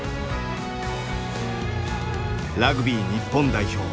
ラグビー日本代表